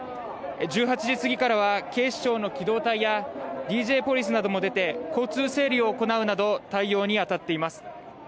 １８時過ぎからは警視庁の機動隊やＤＪポリスなども出て交通整理を行うなど対応に当たっています。